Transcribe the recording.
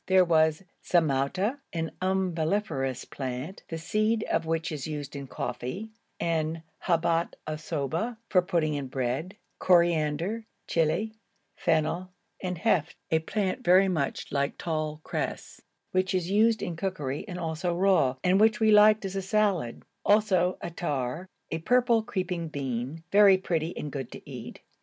There was zamouta, an umbelliferous plant, the seed of which is used in coffee, and habat assoba for putting in bread; coriander, chili, fennel, and helf, a plant very like tall cress, which is used in cookery and also raw, and which we liked as a salad; also attar, a purple creeping bean, very pretty and good to eat.